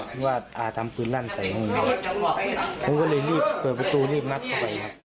มึงก็เลยเปิดประตูรีบนัดเข้าไปครับ